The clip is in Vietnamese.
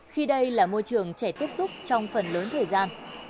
khi đây là môi trường trẻ tiếp xúc trong phần lớn thời gian